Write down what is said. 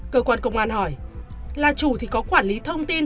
cơ quan công an hỏi là chủ thì có quản lý thông tin